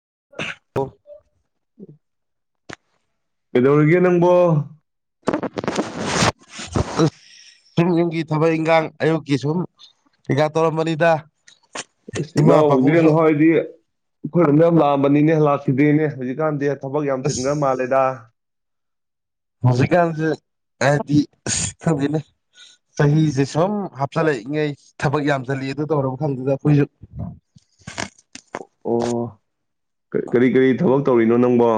[unintelligible] ꯀꯩꯗꯧꯔꯤꯒꯦ ꯅꯪꯕꯣ ꯑ ꯁꯨꯝ ꯌꯨꯝꯒꯤ ꯊꯕꯛ ꯏꯪꯈꯥꯡ ꯑꯌꯨꯛꯀꯤ ꯁꯨꯝ ꯀꯩꯀꯥ ꯇꯧꯔꯝꯕꯅꯤꯗ ꯏꯃꯥ ꯏꯅꯥꯎ ꯄꯥꯕꯨꯡꯁꯨ [unintelligible] ꯑꯩꯈꯣꯏꯅ ꯅ ꯌꯥꯝ ꯂꯥꯛꯑꯝꯕꯅꯤꯅꯦ ꯂꯥꯛꯈꯤꯗꯦꯅꯦ ꯍꯧꯖꯤꯛꯀꯥꯟꯗꯤ ꯊꯕꯛ ꯌꯥꯝ ꯑꯁ ꯆꯤꯟꯈ꯭ꯔ ꯃꯥꯜꯂꯦꯗ ꯍꯧꯖꯤꯛꯀꯥꯟꯁꯦ ꯍꯥꯏꯗꯤ ꯈꯪꯗꯦꯅꯦ ꯆꯍꯤꯁꯦ ꯁꯨꯝ ꯍꯥꯞꯆꯤꯜꯂꯛꯏꯉꯩ ꯊꯕꯛ ꯌꯥꯝꯁꯤꯜꯂꯤ ꯑꯗꯨ ꯇꯧꯔꯕ ꯈꯗꯨꯗ ꯑꯩꯈꯣꯏꯁꯨ ꯑꯣ ꯀꯔꯤ ꯀꯔꯤ ꯊꯕꯛ ꯇꯧꯔꯤꯅꯣ ꯅꯪꯕꯣ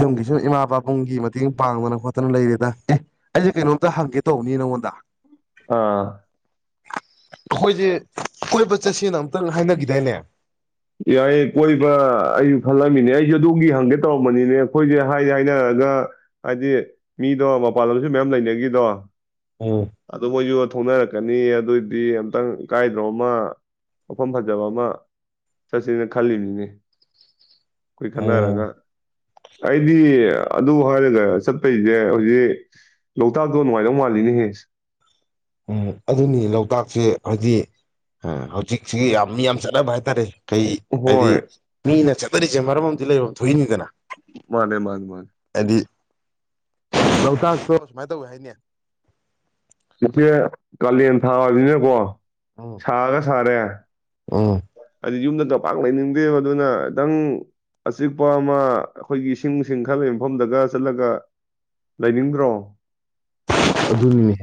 ꯌꯨꯝꯒꯤ ꯁꯨꯝ ꯏꯃꯥ ꯄꯕꯥꯕꯨꯡꯒꯤ ꯃꯇꯦꯡ ꯄꯥꯡꯗꯅ ꯈꯣꯠꯇꯅ ꯂꯩꯔꯦꯗ ꯑꯦ ꯑꯩꯁꯦ ꯀꯩꯅꯣꯝꯇ ꯍꯪꯒꯦ ꯇꯧꯕꯅꯤ ꯅꯪꯉꯣꯟꯗ ꯑꯥ ꯑꯩꯈꯣꯏꯁꯦ ꯀꯣꯏꯕ ꯆꯠꯁꯦꯅ ꯑꯝꯇꯪ ꯍꯥꯏꯅꯈꯤꯗꯥꯏꯅꯦ ꯌꯥꯏꯌꯦ ꯀꯣꯏꯕ ꯑꯩꯁꯨ ꯈꯜꯂꯝꯃꯤꯅꯦ ꯑꯩꯁꯨ ꯑꯗꯨꯗꯣꯝꯒꯤ ꯍꯪꯒꯦ ꯇꯧꯔꯝꯕꯅꯤꯅꯦ ꯑꯩꯈꯣꯏꯁꯦ ꯍꯥꯏ ꯍꯥꯏꯅꯔꯒ ꯍꯥꯏꯗꯤ ꯃꯤꯗꯣ ꯃꯄꯥꯟꯂꯝꯁꯨ ꯃꯌꯥꯝ ꯂꯩꯅꯈꯤꯗꯣ ꯎꯝ ꯑꯗꯨꯕꯨꯁꯨ ꯊ ꯊꯣꯛꯅꯔꯛꯦ ꯆꯠꯀꯅꯤ ꯑꯗꯨꯑꯣꯏꯗꯤ ꯑꯝꯇꯪ ꯀꯥꯏꯗ꯭ꯔꯣ ꯑꯃ ꯃꯐꯝ ꯐꯖꯕ ꯑꯃ ꯆꯠꯁꯤꯅ ꯈꯜꯂꯤꯅꯤꯅꯤ ꯑꯩꯈꯣꯏ ꯎꯝ ꯈꯟꯅꯔꯒ ꯑꯩꯗꯤ ꯑꯗꯨ ꯍꯥꯏꯔꯒ ꯆꯠꯄꯩꯁꯦ ꯍꯧꯖꯤꯛ ꯂꯣꯛꯇꯥꯛꯇꯣ ꯅꯨꯡꯉꯥꯏꯗꯧ ꯃꯥꯜꯂꯤꯅꯦꯍꯦ ꯎ ꯑꯗꯨꯅꯤ ꯂꯣꯛꯇꯥꯛꯁꯦ ꯍꯥꯏꯗꯤ ꯍꯧꯖꯤꯛꯁꯤꯒꯤ ꯌꯥꯝ ꯃꯤ ꯌꯥꯝ ꯆꯠꯅꯕ ꯍꯥꯏꯇꯥꯔꯦ ꯀꯩ ꯍꯥꯏꯗꯤ ꯍꯣꯏ ꯃꯤꯅ ꯆꯠ ꯂꯩꯔꯤꯁꯦ ꯃꯔꯝ ꯑꯃꯗꯤ ꯂꯩꯔꯣ ꯊꯣꯛꯣꯏꯏꯅꯤ ꯃꯥꯅꯦ ꯃꯥꯅꯦ ꯃꯥꯅꯦ ꯂꯇꯥꯛꯁꯨ ꯁꯨꯃꯥꯏꯅ ꯇꯧꯋꯤ ꯍꯥꯏꯅꯦ ꯏꯆꯦ ꯀꯥꯂꯦꯟ ꯊꯥꯅꯤꯅꯀꯣ ꯎꯝ ꯁꯥꯥꯒ ꯁꯥꯔꯦ ꯎꯝ ꯑꯗꯤ ꯌꯨꯝꯗ ꯄꯥꯛ ꯂꯩꯅꯤꯡꯗꯦ ꯃꯗꯨꯅ ꯈꯤꯇꯪ ꯑꯆꯤꯛꯄ ꯑꯃ ꯑꯩꯈꯣꯏꯒꯤ ꯏꯁꯤꯡꯁꯤꯡ ꯈꯜ ꯂꯩ ꯃꯐꯝꯗꯒ ꯆꯠꯂꯒ ꯂꯩꯅꯤꯡꯗ꯭ꯔꯣ ꯑꯗꯨꯅꯤꯅꯦ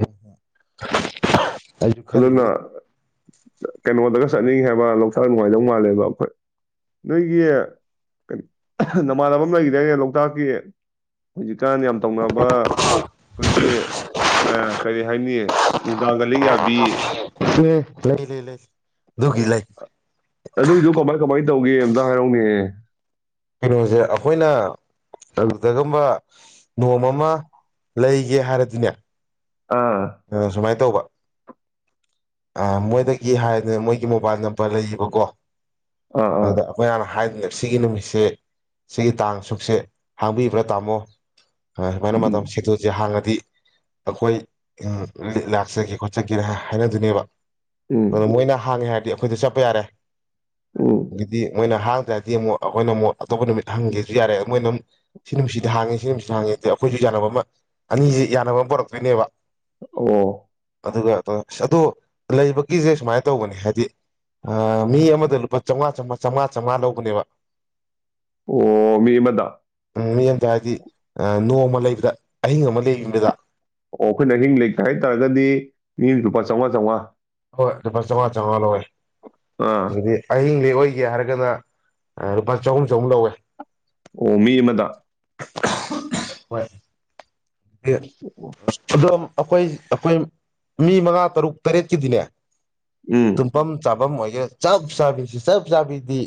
[unintelligible] ꯑꯩꯁꯨ ꯈꯜꯂꯤ ꯑꯗꯨꯅ ꯃꯤꯅꯦ ꯀꯩꯅꯣꯗꯒ ꯆꯠꯅꯤꯡꯉꯤ ꯍꯥꯏꯕ ꯂꯣꯛꯇꯥꯛ ꯅꯨꯡꯉꯥꯏꯗꯧ ꯃꯥꯜꯂꯦꯕ ꯑꯩꯈꯣꯏ ꯅꯣꯏꯒꯤ ꯅꯃꯥꯟꯅꯕ ꯂꯩꯈꯤꯗꯅꯦ ꯂꯣꯛꯇꯥꯛꯀꯤ ꯍꯧꯖꯤꯛꯀꯥꯟ ꯌꯥꯝ ꯇꯧꯅꯕ ꯑꯩꯈꯣꯏꯒꯤ ꯀꯔꯤ ꯍꯥꯏꯅꯤ ꯃꯅꯨꯡꯒꯥꯡꯒꯂꯤ ꯌꯥ ꯑꯦ [unintelligible] ꯂꯩ ꯂꯩ ꯑꯗꯨꯒꯤ ꯂꯩ ꯑꯗꯨꯒꯤꯗꯣ ꯀꯃꯥꯏ ꯀꯃꯥꯏ ꯇꯧꯒꯦ ꯑꯝꯇ ꯍꯥꯏꯔꯛꯅꯦ ꯀꯩꯅꯣꯁꯦ ꯑꯩꯈꯣꯏꯅ ꯑꯗꯨꯗꯒꯨꯝꯕ ꯅꯣꯡꯃ ꯑꯃ ꯂꯩꯒꯦ ꯍꯥꯏꯔꯗꯤꯅꯦ ꯑꯥ ꯑꯝ ꯁꯨꯃꯥꯏꯅ ꯇꯧꯕꯧꯕ [inaudible] ꯑ ꯃꯣꯏꯗꯒꯤ ꯍꯥꯏꯅꯦ ꯃꯣꯏꯒꯤ ꯃꯣꯕꯥꯏꯜ ꯅꯝꯕꯔ ꯂꯩꯌꯦꯕꯀꯣ ꯑꯥ ꯑꯗꯨ ꯑꯥ ꯑꯩꯈꯣꯏ ꯍꯥꯟꯅ ꯍꯥꯏ ꯁꯤꯒꯤ ꯅꯨꯃꯤꯠꯁꯦ ꯁꯤꯒꯤ ꯇꯥꯡ ꯑ ꯁꯨꯛꯁꯦ ꯍꯥꯡꯕꯤꯕ꯭ꯔꯥ ꯇꯥꯃꯣ ꯁꯨꯃꯥꯏꯅ ꯃꯇꯝ ꯎꯝ ꯁꯇꯨꯁꯦ ꯍꯥꯡ ꯗꯤ ꯑꯩꯈꯣꯏ ꯂꯥꯛꯆꯒꯦ ꯈꯣꯠꯆꯒꯦ ꯍꯥꯏꯅꯗꯨꯅꯦꯕ ꯎꯝ ꯑꯗꯨ ꯃꯣꯏꯅ ꯍꯥꯡꯉꯦ ꯍ ꯑꯩꯈꯣꯏꯗ ꯆꯠꯄ ꯌꯥꯔꯦ ꯎꯝ ꯑꯗꯨꯗꯤ ꯃꯣꯏꯅ ꯍꯥꯡ ꯇ꯭ꯔꯗꯤ ꯑꯃꯨꯛ ꯑꯩꯈꯣꯏꯅ ꯑꯃꯨꯛ ꯑꯇꯣꯞꯄ ꯅꯨꯃꯤꯠ ꯍꯪꯒꯦꯁꯨ ꯌꯥꯔꯦ ꯃꯣꯏꯅ ꯑꯃꯝ ꯁꯤ ꯅꯨꯃꯤꯠꯁꯤꯗꯤ ꯍꯥꯡꯉꯦ ꯁꯤ ꯅꯨꯃꯤꯁꯤꯠꯗ ꯍꯥꯡꯉꯦꯗꯤ ꯑꯩꯈꯣꯏꯁꯨ ꯌꯥꯅꯕ ꯑꯃ ꯑꯅꯤꯁꯤ ꯌꯥꯅꯕ ꯑꯃ ꯄꯨꯔꯛꯇꯣꯏꯅꯦꯕ ꯑꯣ ꯑꯗꯨꯒ ꯑꯗꯣ ꯂꯩꯕꯒꯤꯁꯦ ꯁꯨꯃꯥꯏꯅ ꯇꯧꯕꯅꯦ ꯍꯥꯏꯗꯤ ꯃꯤ ꯑꯃꯗ ꯂꯨꯄꯥꯥꯃꯉꯥ ꯆꯝꯃꯉꯥ ꯆꯥꯝꯃꯉꯥ ꯆꯥꯝꯃꯉꯥ ꯂꯧꯕꯅꯦꯕ ꯑꯣ ꯃꯤ ꯃꯗꯥ ꯃꯤꯠ ꯑꯃꯗ ꯍꯥꯏꯗꯤ ꯅꯣꯡꯃ ꯂꯩꯕꯗ ꯑꯍꯤꯡ ꯑꯃ ꯂꯩꯗꯨꯗ ꯑꯣ ꯑꯩꯈꯣꯏꯅ ꯑꯍꯤꯡ ꯂꯩꯇꯦ ꯍꯥꯏꯇꯥꯥꯔꯒꯗꯤ ꯃꯤ ꯂꯨꯄꯥ ꯆꯥꯝꯃꯉꯥ ꯆꯥꯝꯃꯉꯥ ꯍꯣꯏ ꯂꯨꯄꯥ ꯆꯥꯝꯃꯉꯥ ꯆꯥꯝꯃꯉꯥ ꯂ ꯑꯥ ꯑꯗꯨꯗꯤ ꯑꯍꯤꯡꯗꯤ ꯑꯣꯏꯒꯦ ꯍꯥꯏꯔꯒꯅ ꯂꯨꯄꯥ ꯆꯍꯨꯝ ꯆꯍꯨꯝ ꯂꯧꯋꯦ ꯑꯣ ꯃꯤ ꯑꯃꯗ ꯍꯣꯏ ꯑꯣ, ꯗ ꯑꯩꯈꯣꯏ ꯑꯩꯈꯣꯏ ꯃꯤ ꯃꯉꯥ ꯇꯔꯨꯛ ꯇꯔꯦꯠꯀꯤꯗꯤꯅꯦ ꯎꯝ ꯇꯨꯝꯐꯝ ꯆꯥꯐꯝ ꯑꯣꯏ ꯆꯞ ꯆꯥꯕꯤꯁꯤ ꯆꯞ ꯆꯥꯕꯤꯗꯤ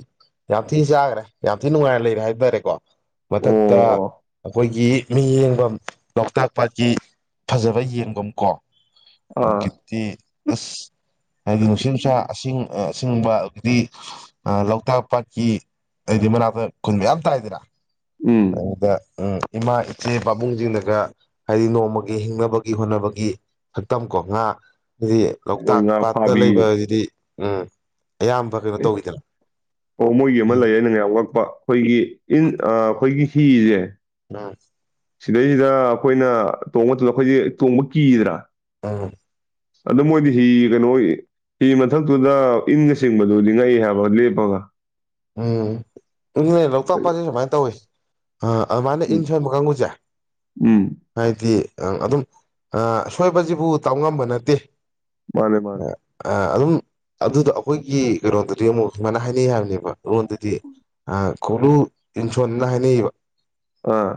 ꯌꯥꯝ ꯊꯤ ꯆꯥꯈ꯭ꯔꯦ ꯌꯥꯝ ꯊꯤꯅ ꯅꯨꯡꯉꯥꯏꯅ ꯂꯩꯔꯦ ꯍꯥꯏꯕ ꯇꯥꯔꯦꯀꯣ ꯃꯊꯛꯇ ꯑꯣ ꯑꯩꯈꯣꯏꯒꯤ ꯃꯤꯠꯌꯦꯡꯐꯝ ꯂꯣꯛꯇꯥꯛ ꯄꯥꯠꯀꯤ ꯐꯖꯕ ꯌꯦꯟꯒꯨꯝ ꯀꯣ ꯑꯣ ꯑꯥ ꯀꯤ ꯑꯁ ꯍꯥꯏꯗꯤ ꯅꯨꯡꯁꯤꯠ ꯅꯨꯡꯁꯥ ꯑꯁꯤꯡ ꯑꯁꯤꯒꯨꯝꯕ ꯑꯗꯨꯗꯤ ꯂꯣꯛꯇꯥꯛ ꯄꯥꯠꯀꯤ ꯍꯥꯏꯗꯤ ꯃꯅꯥꯛꯇ ꯈꯨꯟ ꯃꯌꯥꯝ ꯇꯥꯏꯗꯅ ꯎꯝ ꯑꯗꯨꯗ ꯎꯝ ꯏꯃꯥ ꯏꯆꯦ ꯄꯥꯕꯨꯡꯖꯤꯡꯅꯥꯒ ꯍꯥꯏꯗꯤ ꯅꯣꯡꯃꯒꯤ ꯍꯤꯡꯅꯕꯒꯤ ꯍꯣꯠꯅꯕꯒꯤ ꯁꯛꯇꯝ ꯀꯣ ꯉꯥꯁ ꯑꯗꯨꯗꯤ ꯃꯣꯏ ꯂꯣꯛꯇꯥꯛ ꯉꯥ ꯄꯥꯠꯇ ꯐꯥꯕꯤ ꯂꯩꯕꯖꯤꯗꯤ ꯑꯥ ꯑꯣ ꯃꯣꯏꯒꯤ ꯑꯃ ꯂꯩꯌꯦ ꯑꯩꯅ ꯉꯥꯏ ꯋꯥꯛꯄ ꯑꯩꯈꯣꯏꯒꯤ ꯏꯟ ꯑꯩꯈꯣꯏꯒꯤ ꯊꯤꯌꯦ ꯑꯥ ꯁꯤꯗꯩꯖꯤꯗ ꯑꯩꯈꯣꯏꯅ ꯇꯣꯡꯕ ꯃꯇꯝꯗ ꯑꯩꯈꯣꯏꯒꯤ ꯇꯣꯡꯕ ꯀꯤꯗꯥꯅ ꯎꯝ ꯑꯗꯨ ꯃꯣꯏꯗꯤ ꯍꯤ ꯀꯩꯅꯣ ꯍꯤ ꯃꯊꯛꯇꯨꯗ ꯏꯟꯒ ꯆꯤꯡꯕꯗꯨ ꯉꯛꯏ ꯍꯥꯏꯕ ꯂꯦꯞꯄꯒ ꯎꯝ ꯏ ꯂꯣꯛꯇꯥꯛ ꯄꯥꯠꯁꯦ ꯁꯨꯃꯥꯏꯅ ꯇꯧꯋꯤ ꯑ ꯑꯗꯨꯃꯥꯏꯅ ꯎꯝ ꯏꯟ ꯁꯣꯏꯕ ꯀꯥꯡꯕꯨꯁꯦ ꯎꯝ ꯍꯥꯏꯗꯤ ꯑꯪ ꯑꯗꯨꯝꯁꯣꯏꯕꯁꯤꯕꯨ ꯇꯥꯎꯉꯝꯕ ꯅꯠꯇꯦ ꯃꯥꯅꯦ ꯃꯥꯅꯦ ꯑ ꯑ ꯑꯗꯨꯝ ꯑꯗꯨꯗꯣ ꯑꯩꯈꯣꯏꯒꯤ ꯀꯩꯅꯣꯗꯨꯗꯤ ꯑꯃꯨꯛ ꯁꯨꯃꯥꯏꯅ ꯍꯥꯏꯅꯩ ꯍꯥꯏꯕꯅꯦꯕ ꯗꯨꯗꯤ ꯀꯂꯨ ꯏꯁꯨꯣꯅ ꯍꯥꯏꯅꯩꯕ ꯑꯥ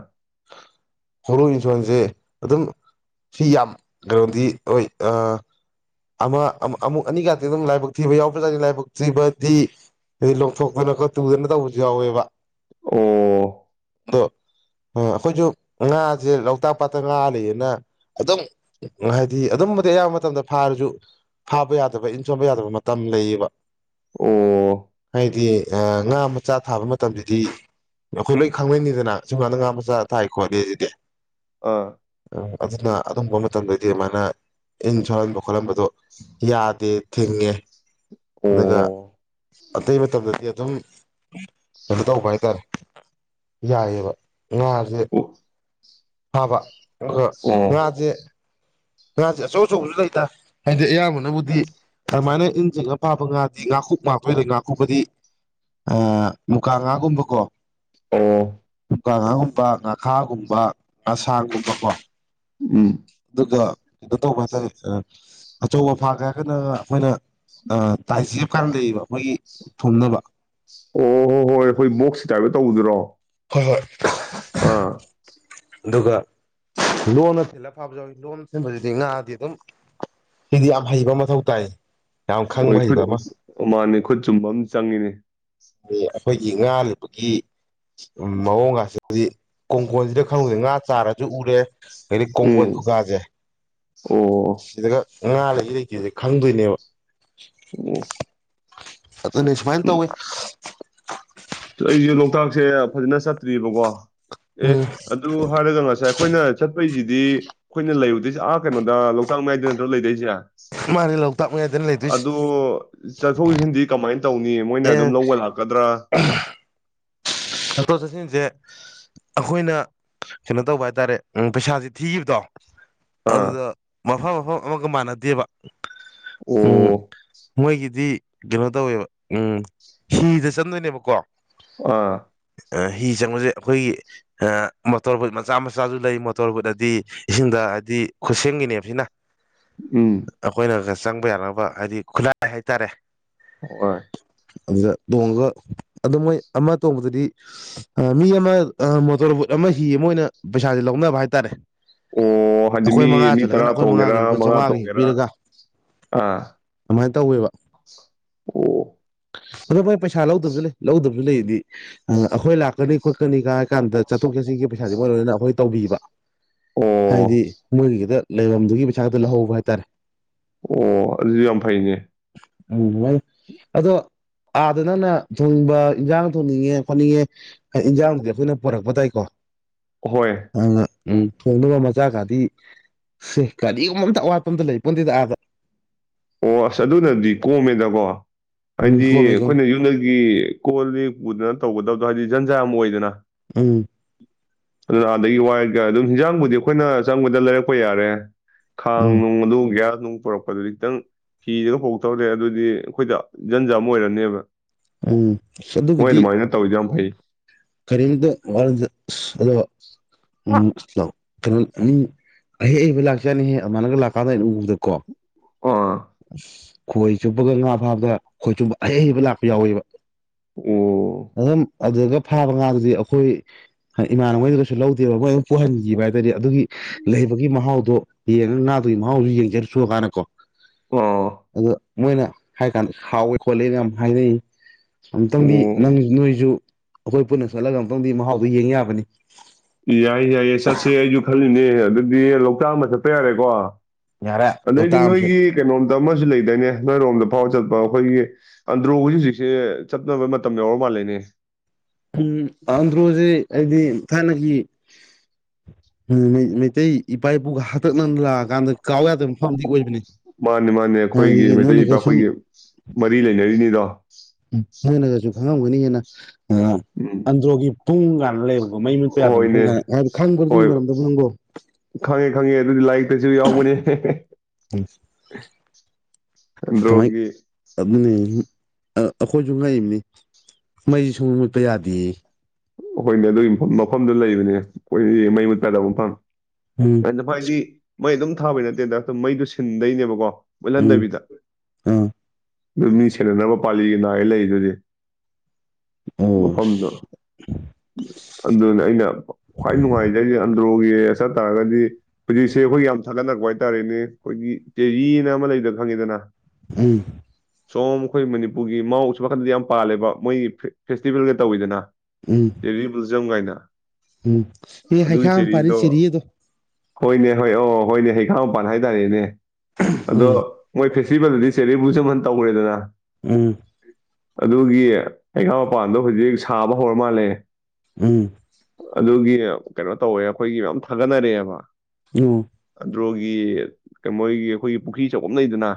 ꯍꯣꯔꯣꯛ ꯌꯦꯟꯁꯣꯟꯁꯦ ꯑꯗꯨꯝ ꯁꯤ ꯌꯥꯝ ꯀꯩꯅꯣꯗꯤ ꯍꯣꯏ ꯑꯃ ꯑꯃꯨꯛ ꯑꯅꯤꯈꯛꯇꯤ ꯑꯗꯨꯝ ꯂꯥꯏꯕꯛ ꯊꯤꯕ ꯌꯥꯎꯕ꯭ꯔꯖꯥꯠꯅꯤ ꯂꯥꯏꯕꯛ ꯊꯤꯕꯗꯤ ꯊꯣꯛꯇꯅ ꯈꯣ ꯇꯨꯗꯅ ꯇꯧꯕꯁꯨ ꯌꯥꯎꯋꯦꯕ ꯑꯣ ꯑꯗꯣ ꯑꯩꯈꯣꯏꯁꯨ ꯉꯥꯁꯦ ꯂꯣꯛꯇꯥꯛ ꯄꯥꯠꯇ ꯉꯥ ꯂꯩꯌꯦꯅ ꯑꯗꯨꯝ ꯍꯥꯏꯗꯤ ꯑꯗꯨꯝꯝꯕꯗꯤ ꯑꯌꯥꯝꯕ ꯃꯇꯝꯗ ꯐꯥꯔꯁꯨ ꯐꯥꯕ ꯌꯥꯗꯕ ꯏꯟ ꯁꯣꯟꯕ ꯌꯥꯗꯕ ꯃꯇꯝ ꯂꯩꯌꯦꯕ ꯑꯣ ꯍꯥꯏꯗꯤ ꯉꯥ ꯃꯆꯥ ꯊꯥꯕ ꯃꯇꯝꯁꯤꯗꯤ ꯑꯩꯈꯣꯏ ꯂꯣꯏ ꯈꯪꯅꯅꯤꯗꯅ ꯁꯨꯝꯀꯥꯟꯗ ꯉꯥ ꯃꯆꯥ ꯇꯥꯏꯈꯣꯅꯦꯦꯗꯦ ꯑꯥ ꯑ ꯑꯗꯨꯅ ꯑꯗꯨꯝꯕ ꯃꯇꯝꯗꯗꯤ ꯑꯗꯨꯃꯥꯏꯅ ꯏꯟ ꯁꯣꯍꯟꯕ ꯈꯣꯠꯍꯟꯕ ꯣ ꯌꯥꯗꯦ ꯊꯦꯡꯉꯦ ꯑꯣ ꯑꯗꯨ ꯀ ꯑꯇꯩ ꯃꯇꯝꯗꯗꯤ ꯑꯗꯨꯝ ꯀꯩꯅꯣ ꯇꯧꯕ ꯍꯥꯏꯇꯥꯔꯦ ꯌꯥꯏꯌꯦꯕ ꯉꯥꯁꯦ ꯑꯣ ꯐꯥꯕ ꯑ ꯑꯣ ꯉꯁꯦ ꯉꯥꯁꯦ ꯑꯆꯧ ꯑꯆꯧꯕꯁꯨ ꯂꯩꯇ ꯍꯥꯏꯗꯤ ꯑꯌꯥꯝꯕꯅꯕꯨꯗꯤ ꯑꯗꯨꯃꯥꯏꯅ ꯏꯟꯁꯤꯡꯦꯛꯅ ꯐꯥꯕ ꯉꯥꯗꯤ ꯉꯥꯀꯨꯞ ꯉꯥꯛꯇꯣꯏꯗ ꯉꯥꯀꯨꯞꯄꯗꯤ ꯃꯨꯀꯥ ꯉꯥꯒꯨꯝꯕꯀꯣ ꯑꯣ ꯃꯨꯀꯥꯉꯥꯒꯨꯝꯕ ꯉꯥꯈꯥꯒꯨꯝꯕ ꯉꯁꯥꯡꯒꯨꯝꯕꯀꯣ ꯎꯝ ꯑꯗꯨꯒ ꯀꯩꯅꯣ ꯇꯧꯕ ꯍꯥꯏ ꯇꯔꯦ ꯑꯆꯧꯕ ꯐꯥꯒꯦ ꯍꯥꯏꯔꯒꯅ ꯑꯩꯈꯣꯏꯅ ꯇꯥꯏꯁꯤꯞꯀꯥꯟꯗꯩꯕ ꯑꯩꯈꯣꯏꯒꯤ ꯊꯨꯝꯅꯕ ꯑꯣ ꯍꯣ ꯍꯣꯏ ꯍꯣꯏ ꯑꯩꯈꯣꯏ ꯕꯣꯛꯁꯤ ꯀꯥꯏꯕ ꯇꯧꯕꯗꯨꯔꯣ ꯍꯣꯏ ꯍꯣꯏ ꯑꯥ ꯑꯗꯨꯒ ꯂꯣꯟꯅ ꯊꯤꯂꯒ ꯐꯕꯁꯨꯎꯋꯏ ꯂꯣꯟꯅ ꯊꯤꯟꯕꯁꯤꯗꯤ ꯉꯥꯗꯤ ꯑꯗꯨꯝ ꯁꯤꯗꯤ ꯌꯥꯝ ꯍꯩꯕ ꯃꯊꯧ ꯇꯥꯏ ꯌꯥꯝ ꯍꯣꯏ ꯈꯪꯕ ꯈꯨꯠ ꯍꯩꯕ ꯑꯃ ꯃꯥꯟꯅꯤ ꯈꯨꯠ ꯆꯨꯝꯕ ꯑꯃ ꯆꯪꯉꯤꯅꯦ ꯑ ꯑꯩꯈꯣꯏꯒꯤ ꯉꯥ ꯂꯨꯕꯒꯤ ꯃꯑꯣꯡꯉꯥꯁꯦ ꯑꯗꯨꯗꯤ ꯀꯣꯟꯀꯣꯟꯖꯤꯗ ꯈꯪꯗꯦ ꯉꯥ ꯆꯥꯔꯖꯨ ꯎꯔꯦ ꯑꯗꯩꯗꯤ ꯀꯣꯡꯒꯣꯟ ꯎꯝ ꯈꯨꯀꯥꯖꯦ ꯑꯣ ꯁꯤꯗꯒ ꯉꯥ ꯂꯩ ꯂꯩꯇꯦꯖꯦ ꯈꯪꯗꯣꯏꯅꯦꯕ [unintelligible] ꯑꯗꯨꯅꯦ ꯁꯨꯃꯥꯏꯅ ꯇꯧꯏ꯫ [unintelligible] ꯑꯩꯖꯦ ꯂꯣꯛꯇꯥꯛꯁꯦ ꯐꯖꯅ ꯆꯠꯇ꯭ꯔꯤꯌꯦꯕꯀꯣ ꯑꯦ ꯎꯝ ꯑꯗꯨ ꯍꯥꯏꯔꯒ ꯉꯁꯥꯏ ꯑꯩꯈꯣꯏꯅ ꯆꯠꯄꯩꯖꯤ ꯁꯤꯗꯤ ꯑꯩꯈꯣꯏꯅ ꯂꯩꯔꯨꯗꯣꯏꯁꯦ ꯑꯥ ꯀꯩꯅꯣꯗ ꯂꯣꯛꯇꯥꯛ ꯃꯌꯥꯏꯗ ꯅꯠꯇ꯭ꯔ ꯂꯩꯗꯣꯏꯖꯦ ꯃꯥꯅꯦ ꯂꯣꯛꯇꯥꯛ ꯃꯌꯥꯏꯗꯅ ꯂꯩꯗꯣꯏꯁꯦ ꯑꯗꯣ ꯆꯠꯊꯣꯛ ꯁꯤꯟꯗꯤ ꯀꯃꯥꯏꯅ ꯇꯧꯅꯤ ꯃꯣꯏꯅ ꯑꯦ ꯑꯗꯨꯝ ꯂꯧꯕ ꯂꯥꯛꯀꯗ꯭ꯔꯥ ꯆꯠꯊꯣꯛ ꯆꯠꯁꯤꯟꯁꯦ ꯑꯈꯣꯏꯅ ꯀꯩꯅꯣ ꯇꯧꯕ ꯍꯥꯏꯇꯥꯔꯦ ꯄꯩꯁꯥꯥꯖꯦ ꯊꯤꯒꯤꯕꯗꯣ ꯑꯥ ꯑꯗꯨꯗ ꯃꯐꯝ ꯑꯃꯒꯥ ꯑꯃꯒ ꯃꯥꯟꯅꯗꯦꯕ ꯎꯝ ꯑꯣ ꯃꯣꯏꯒꯤꯗꯤ ꯀꯩꯅꯣ ꯇꯧꯋꯦꯕ ꯎꯝ ꯍꯤꯗ ꯆꯪꯗꯣꯏꯅꯦꯕꯀꯣ ꯑꯥ ꯑ ꯍꯤ ꯆꯪꯕꯖꯪ ꯑꯩꯈꯣꯏꯒꯤ ꯑ ꯃꯣꯇꯣꯔ ꯕꯨꯠ ꯃꯆꯥ ꯃꯆꯥꯖꯨ ꯂꯩ ꯃꯣꯇꯣꯔ ꯕꯨꯠ ꯑꯗꯤ ꯏꯁꯤꯡꯗ ꯍꯥꯏꯗꯤ ꯈꯨꯠꯁꯦꯝꯒꯤꯅꯦꯕ ꯁꯤꯅ ꯎꯝ ꯑꯈꯣꯏꯅ [unintelligible] ꯆꯪꯕ ꯌꯥꯅꯕ ꯍꯥꯏꯗꯤ ꯈꯨꯠꯂꯥꯏ ꯍꯥꯏꯇꯥꯔꯦ ꯑꯣꯍꯣꯏ ꯑꯗꯨꯗ ꯇꯣꯡꯉꯒ ꯑꯗꯣ ꯃꯣꯏ ꯑꯃ ꯇꯣꯡꯕꯗꯗꯤ ꯑ ꯃꯤ ꯑꯃ ꯑ ꯃꯣꯇꯣꯔ ꯕꯨꯠ ꯑꯃ ꯍꯤ ꯑꯃ ꯑꯣꯏꯅ ꯄꯩꯁꯥꯖꯦ ꯂꯧꯅꯕ ꯍꯥꯏꯇꯥꯔꯦ꯫ ꯑꯣ ꯍꯥꯏꯗꯤ ꯑꯩꯈꯣꯏ ꯃꯤ ꯃꯉꯥ ꯃꯤ ꯇꯔꯥ ꯆꯠꯂꯒꯅ ꯑꯩꯈꯣꯏ ꯇꯣꯡꯒꯦꯔꯥ ꯃꯉꯥꯒꯤ ꯂꯨꯄꯥ ꯃꯉꯥ ꯆꯥꯝꯃꯉꯥꯒ ꯍꯦꯛ ꯇꯣꯡꯒꯦꯔꯥ ꯄꯤꯔꯒ ꯑꯥ ꯑꯗꯨꯃꯥꯏꯅ ꯇꯧꯋꯦꯕ ꯑꯣ ꯑꯗꯣ ꯚꯥꯏ ꯄꯩ ꯄꯩꯁꯥ꫰ꯂꯧꯗꯕꯖꯨ ꯂꯩ ꯂꯧꯗꯕꯖꯨ ꯂꯩꯌꯦꯗꯤ ꯑ ꯑꯩꯈꯣꯏ ꯂꯥꯛꯀꯅꯤ ꯈꯣꯠꯀꯅꯤꯒ ꯍꯥꯏ ꯀꯥꯟꯗ ꯆꯠꯊꯣꯛ ꯆꯠꯁꯤꯟꯒꯤ ꯄꯩꯁꯥꯥꯖꯦ ꯃꯣꯏ ꯂꯣꯏꯅ ꯑꯩꯈꯣꯏ ꯇꯧꯕꯤꯕ ꯍꯥꯏꯗꯤ ꯑꯣ ꯃꯣꯏꯒꯤꯗ ꯂꯩꯕꯝꯗꯨꯒꯤ ꯄꯩꯁꯥ ꯈꯛꯇ ꯂꯍꯧꯕ ꯍꯥꯏꯇꯥꯔꯦ ꯑꯣ ꯑꯗꯨꯖꯨ ꯌꯥꯝ ꯐꯩꯅꯦ ꯎꯝꯂꯩ ꯑꯗꯣ ꯑꯥꯗ ꯅꯪꯅ ꯊꯣꯡꯅꯤꯡꯕ ꯏꯟꯖꯥꯡ ꯊꯣꯡꯅꯤꯡꯉꯦ ꯈꯣꯠꯅꯤꯡꯉꯦ ꯑ ꯏꯟꯖꯥꯡꯗꯨꯗꯤ ꯑꯩꯈꯣꯏꯅ ꯄꯣꯔꯛꯄ ꯇꯥꯏꯀꯣ꯫ ꯍꯣꯏ ꯎꯝ ꯊꯣꯡꯅꯕ ꯃꯆꯥꯛꯒꯥꯗꯤ ꯁꯦ ꯀꯔꯤꯒꯨꯝꯕ ꯑꯝꯇ ꯑꯋꯥꯠꯄ ꯑꯝꯇ ꯂꯩꯄꯣꯟꯇꯦꯗ ꯑꯥꯗ꯫ ꯑꯣ ꯑꯁ ꯑꯗꯨꯅꯗꯤ ꯀꯣꯝꯃꯦꯗꯀꯣ ꯎꯝ ꯍꯥꯏꯗꯤ ꯀꯣꯝꯃꯦ ꯀꯣꯝꯃꯦ ꯑꯈꯣꯏꯅ ꯌꯨꯝꯒꯤ ꯀꯣꯜ ꯂꯤꯛ ꯄꯨꯗꯅ ꯇꯧꯒꯗꯕꯗꯣ ꯍꯥꯏꯗꯤ ꯖꯟꯖꯥ ꯃꯨꯛ ꯑꯣꯏꯗꯅ ꯎꯝ ꯑꯗꯨ ꯑꯥꯗꯒꯤ ꯋꯥꯏꯒ ꯑꯗꯨꯝ ꯋꯥꯏꯔꯒ ꯍꯤꯟꯖꯥꯡꯕꯨꯗꯤ ꯑꯩꯈꯣꯏꯅ ꯆꯪꯕꯗ ꯂꯩꯔꯛꯄ ꯌꯥꯔꯦ ꯎꯝ ꯈꯥꯡꯅꯨꯡ ꯑꯗꯨꯨ‌ ꯒ꯭ꯌꯥ ꯅꯨꯡ ꯄꯨꯔꯛꯄꯗꯨꯗꯤ ꯈꯤꯇꯪ ꯍꯤꯗꯒ ꯄꯨꯔꯛꯇꯧꯔꯦ ꯑꯗꯨꯗꯤ ꯑꯈꯣꯏꯗ ꯖꯟꯖ ꯑꯃ ꯑꯣꯏꯔꯅꯦꯕ ꯎꯝ ꯑꯁ ꯃꯣꯏ ꯑꯗꯨꯒꯤꯗꯤ ꯑꯗꯨꯃꯥꯏꯅ ꯇꯧꯋꯤꯗꯣ ꯌꯥꯝ ꯐꯩ ꯀꯔꯤꯝꯗ ꯋꯥꯔꯨꯅꯨꯗ ꯑꯁ ꯑꯗꯨꯒ ꯑꯥ ꯎꯝ [unintelligible] ꯀꯩꯅꯣ ꯎꯝ ꯑꯍꯩ ꯍꯩꯕ ꯂꯥꯛꯆꯥꯠꯅꯤꯍꯦ ꯑꯗꯨꯃꯥꯏꯅꯒ ꯂꯥꯛꯀꯥꯟꯗꯩꯅ ꯎꯕꯗꯀꯣ ꯑꯁꯤ ꯈꯣꯏ ꯆꯨꯞꯄꯒ ꯉꯥ ꯐꯥꯕꯗ ꯈꯣꯏ ꯆꯨꯞꯄ ꯑꯍꯩ ꯑꯍꯩꯕ ꯂꯥꯛꯄ ꯌꯥꯎꯋꯦꯕ ꯑꯣ ꯑꯗꯨꯝ ꯑꯗꯨꯗꯒ ꯐꯥꯕ ꯉꯥꯗꯨꯗꯤ ꯑꯈꯣꯏ ꯏꯃꯥꯟꯅ ꯉꯣꯏꯗꯨꯗꯁꯨ ꯂꯧꯗꯦꯕ ꯃꯣꯏ ꯑꯃ ꯄꯨꯍꯟꯈꯤꯕ ꯍꯥꯏ ꯇꯔꯗꯤ ꯑꯗꯨꯒꯤ ꯂꯩꯕꯒꯤ ꯃꯍꯥꯎꯗꯣ ꯌꯦꯡꯉ ꯉꯥꯗꯨꯒꯤ ꯃꯍꯥꯎꯗꯨ ꯌꯦꯡꯖꯔꯨꯆꫭ ꯀꯥꯏꯅꯀꯣ ꯑꯥ ꯑꯗ ꯃꯣꯏꯅ ꯍꯥꯏ ꯀꯥꯟꯗ ꯍꯥꯎꯋꯦ ꯈꯣꯠꯂꯦꯅ ꯌꯥꯝ ꯍꯥꯏꯅꯩ ꯑꯃꯨꯛꯇꯪꯗꯤ ꯅꯪ ꯑꯣ ꯅꯣꯏ ꯖꯨ ꯑꯈꯣꯏ ꯄꯨꯟꯅ ꯆꯠꯂꯒ ꯑꯃꯨꯛꯇꯪꯗꯤ ꯃꯍꯥꯎꯗꫭ ꯌꯦꯡ ꯌꯥꯕꯅꯤ ꯑꯦ ꯑꯗꯨꯗꯤ ꯂꯣꯛꯇꯥꯛ ꯑꯃ ꯆꯠꯄ ꯌꯥꯔꯦꯀꯣ ꯌꯥꯔꯦ ꯑꯗꯩꯗꯤ ꯂꯣꯛꯇꯥꯛ ꯑꯃꯁꯨ ꯅꯣꯏꯒꯤ ꯀꯩꯅꯣ ꯑꯃꯁꯨ ꯂꯩꯗꯣꯏꯅꯦ ꯅꯣꯏꯔꯣꯝꯗ ꯐꯥꯎꯔ ꯆꯠꯄ ꯑꯈꯣꯏꯒꯤ ꯑꯟꯗ꯭ꯔꯣ ꯍꯧꯖꯤꯛ ꯍꯧꯖꯤꯛꯁꯦ ꯆꯠꯅꯕ ꯃꯇꯝ ꯌꯥꯎꯔ ꯃꯥꯜꯂꯦꯅꯦ ꯎꯝ ꯑꯟꯗ꯭ꯔꯣꯖꯦ ꯑꯩꯗꯤ ꯊꯥꯏꯅꯒꯤ ꯎꯝ ꯃꯩꯇꯩ ꯏꯄꯥ ꯏꯄꯨꯒꯤ ꯍꯥꯛꯇꯛ ꯂꫭꯝꯗ ꯂꯥꯛ ꯃꯥꯅꯦ ꯃꯥꯅꯦ ꯍꯥꯏꯗꯤ ꯑꯈꯣꯏꯒꯤ ꯃꯩꯇꯩꯒꯤꯗ ꯅꯣꯏꯅꯒ ꯁꯨꯝ ꯑꯈꯣꯏꯒꯤ ꯃꯔꯤ ꯂꯩꯅꯔꯤꯅꯤꯗꯣ ꯎꯝ ꯅꯣꯏꯅꯒꯁꯨ ꯈꯪꯉꯝꯒꯅꯤ ꯍꯦꯟꯅ ꯑ ꯎꯝ ꯑꯟꯗ꯭ꯔꫭꯒꯤ ꯊꯨꯡ ꯌꯥꯝ ꯂꯩꯕ ꯑꯣ ꯃꯩ ꯃꯨꯠꯄ ꯌꯥꯗꯕ ꯍꯣꯏꯅꯦ ꯃꯐꯝꯅꯤ ꯍꯥꯏ ꯍꯥꯏꯕ ꯍꯣꯏ ꯈꯪꯕ꯭ꯔꯗꯨꯒꯤ ꯃꯔꯝꯗꯕꯨ ꯅꯪꯕꫭ ꯈꯪꯉꯦ ꯈꯪꯉꯦ ꯑꯗꯨꯗꯤ ꯂꯥꯏꯛ ꯇꯖꯨ ꯌꯥꯎꯕꯅꯦ ꯍꯦ ꯍꯦ ꯎꯝ ꯑꯟꯗ꯭ꯔꯣꯒꯤ ꯑ ꯑꯈꯣꯏꯖꯨ ꯉꯛꯏꯝꯅꯤ ꯃꯩ ꯁꯨꯡꯃꯨꯠ ꯃꯨꯠꯄ ꯌꯥꯗꯦꯌꯦ ꯑꯈꯣꯏꯅꯦ ꯑꯗꯨꯒꯤ ꯃꯐꯝ ꯃꯐꯝꯗꯨ ꯂꯩꯕꯅꯦ ꯑꯈꯣꯏꯒꯤ ꯃꯩ ꯃꯨꯠꯛꯄ ꯆꯥꯗꯕ ꯃꯐꯝ ꯎꯝ ꯑꯗꯨꯍꯥꯏꯗꯤ ꯃꯩ ꯑꯗꯨꯝ ꯊꯥꯕꯩ ꯅꯠꯇꯦꯗ ꯑꯗꯨꯝ ꯃꯩꯗꯨ ꯁꯤꯟꯗꯩꯅꯦꯕꯀꯣ ꯎꯝ ꯃꯨꯠꯍꯟꯗꯕꯤꯗ ꯑꯥ ꯑꯗꯨ ꯃꯤ ꯁꯦꯟꯅꯅꯕ ꯄꯥꯜꯂꯤ ꯅꯥꯏꯔ ꯂꯩꯗꯨꯗꯤ ꯑꯣ ꯃꯐꯝꯗ ꯑꯗꯨꯅꯤ ꯑꯩꯅ ꯈ꯭ꯋꯥꯏ ꯅꯨꯡꯉꯥꯏꯖꯩꯖꯦ ꯗ꯭ꯔꯣꯒꯤ ꯆꯠ ꯇꯥꯔꯒꯗꯤ ꯍꯨꯖꯤꯛꯁꯦ ꯑꯈꯣꯏ ꯌꯥꯝ ꯊꯥꯒꯠꯅꯔꯛꯄ ꯍꯥꯏꯇꯥꯥꯔꯦꯅꯦ ꯑꯈꯣꯏꯒꯤ ꯇꯦꯔꯤꯅ ꯑꯃ ꯂꯩꯗꯨ ꯈꯪꯉꯤꯗꯅ ꯎꯝ ꯁꯣꯝ ꯑꯩꯈꯣꯏ ꯃꯅꯤꯄꯨꯔꯒꯤ ꯃꯥꯎ ꯑꯁꯣꯝꯅꯥꯀꯟꯗꯗꯤ ꯌꯥꯝ ꯄꯥꯜꯂꯦꯕ ꯃꯣꯏꯒꯤ ꯐꯦ ꯐꯦꯁꯇꯤꯚꯦꯜꯒ ꯇꯧꯋꯤꯗꯅ ꯎꯝ ꯇꯦꯔꯤ ꯕꯨꯖꯝ ꯒꯥꯏꯅ ꯎꯝ ꯑꯦ ꯍꯩꯈꯥ ꯆꯦꯔꯤꯗꯣ ꯃꯄꯥꯟꯅꯤ ꯆꯦꯔꯤ ꯑꯗꯣ ꯍꯣꯏꯅꯦ ꯍꯣꯏ ꯑꯣ ꯍꯣꯏꯅꯦ ꯍꯩꯈꯥ ꯃꯄꯥꯟ ꯍꯥꯏꯇꯥꯔꯦꯅꯦ ꯑꯗꯣ ꯎꯝ ꯃꯣꯏ ꯐꯦꯁ ꯇꯤꯚꯦꯜ ꯗꯤ ꯆꯦꯔꯤ ꯕꯨꯖꯥꯝ ꯑꯟ ꯇꯧꯒꯔ꯭ꯦ ꯗꯅ ꯎꯝ ꯑꯗꯨꯒꯤ ꯍꯩꯈꯥ ꯃꯄꯥꯟꯗꯣ ꯍꯧꯖꯤꯛ ꯁꯥꯕ ꯍꯧꯔ ꯃꯥꯜꯂꯦ [inaudible] ꯎꯝ ꯑꯗꯨꯒꯤ ꯀꯩꯅꯣ ꯇꯧꯋꯦ ꯑꯈꯣꯏꯒꯤ ꯃꯌꯥꯝ ꯊꯥꯒꯠꯅꯔꯛꯑꯦꯕ [unintelligible] ꯗ꯭ꯔꯣꯒꯤ ꯀ ꯃꯣꯏꯒꯤ ꯑꯈꯣꯏꯒꯤ ꯄꯨꯈ꯭ꯔꯤ ꯆꯧꯕꯑꯝ ꯂꯩꯗꯅ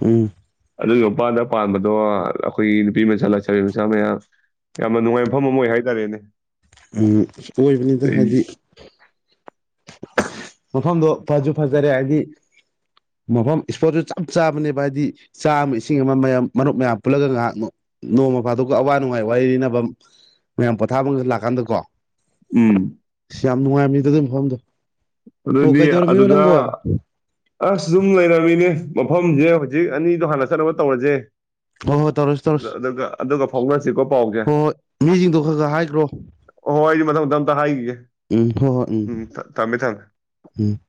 ꯎꯝ ꯑꯗꯨꯒꯤ ꯃꯄꯥꯟꯗ ꯄꯥꯟꯕꯗꯣ ꯑꯈꯣꯏꯒꯤ ꯅꯨꯄꯤ ꯃꯆꯥ ꯂꯩꯁꯥꯕꯤ ꯃꯆꯥ ꯃꯌꯥꯝ ꯌꯥꯝꯅ ꯅꯨꯡꯉꯥꯏꯕ ꯃꯐꯝ ꯑꯃ ꯑꯣꯏ ꯍꯥꯏ ꯇꯥꯔꯦꯅꯦ ꯑꯝ ꯑꯣꯏꯕꯅꯤꯗ ꯍꯥꯏꯗꯤ ꯃꯐꯝꯗꯣ ꯐꯖꯨ ꯐꯖꯔꯦ ꯍꯥꯏꯗꯤ ꯃꯐꯝ ꯏꯁꯄꯣꯠꯇꯨ ꯆꯞ ꯆꯥꯕꯅꯦꯕ ꯍꯥꯏꯗꯤ ꯆꯥ ꯑꯃ ꯏꯁꯤꯡ ꯑꯃ ꯃꯌꯥꯝ ꯃꯔꯨꯞ ꯃꯌꯥꯝ ꯄꯨꯜꯂꯒ ꯉꯥꯍꯥꯛ ꯅꯣꯡꯃ ꯐꯥꯗꯣꯛꯀ ꯑꯋꯥ ꯅꯨꯡꯉꯥꯏ ꯋꯥꯔꯤ ꯂꯤꯅꯕꯝ ꯃꯌꯥꯝ ꯄꯣꯊꯥꯕꯝ ꯒ ꯂꯥꯛꯀꯥꯟꯗꯀꯣ ꯎꯝ ꯑꯁ ꯌꯥꯝ ꯅꯨꯡꯉꯥꯏꯝꯅꯤꯗ ꯑꯗꯨꯏ ꯃꯐꯝꯗꯣ ꯑꯣ ꯑꯗꯨꯗꯤ ꯀꯩꯗꯧꯔꯝꯃꯤꯅꯣ ꯑꯗꯨꯗ ꯅꯪꯕꯣ ꯑꯁ ꯗꯨꯨꯝ ꯂꯩꯔꯝꯃꯤꯅꯦ ꯃꯐꯝꯖꯦ ꯍꯨꯖꯤꯛ ꯑꯅꯤꯗꯣ ꯍꯥꯟꯅ ꯆꯠꯅꯕ ꯇꯧꯔꯖꯦ ꯍꯣꯏ ꯍꯣꯏ ꯇꯧꯔꯁꯤ ꯑꯗ ꯇꯧꯔꯁꯤ ꯑꯗꯨꯒ ꯑꯗꯨꯒ ꯐꯥꯎꯅꯁꯤꯀꯣ ꯄꯥꯎꯖꯦ ꯍꯣꯏ ꯍꯣꯏ ꯃꯤꯁꯤꯡꯗꯣ ꯈꯔ ꯈꯔ ꯍꯥꯏꯈ꯭ꯔꯣ ꯑꯣ ꯑꯩꯖꯨ ꯃꯊꯪ ꯃꯊꯪ ꯑꯝꯇ ꯍꯥꯏꯒꯤꯒꯦ ꯎꯝ ꯍꯣꯏ ꯍꯣꯏ ꯎꯝ ꯊꯝꯃꯦ ꯊꯝꯃꯦ ꯎꯝ